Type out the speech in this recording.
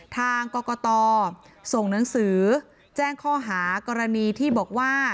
ทางกรกตส่งหนังสือแจ้งข้อหากรณีที่บอกว่า